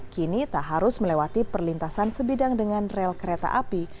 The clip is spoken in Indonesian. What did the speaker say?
kini tak harus melewati perlintasan sebidang dengan rel kereta api